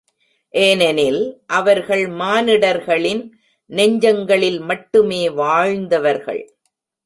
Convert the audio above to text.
ஏனெனில், அவர்கள் மானிடர்களின் நெஞ்சங்களில் மட்டிலுமே வாழ்ந்தவர்கள்.